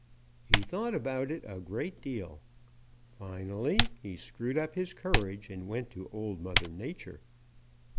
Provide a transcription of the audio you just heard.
He thought about it a great deal. Finally he screwed up his courage and went to Old Mother Nature.